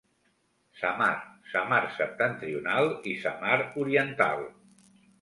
Samar, Samar Septentrional i Samar Oriental.